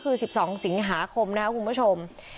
คือ๑๒สิงหาคมนะครับคุณผู้ชม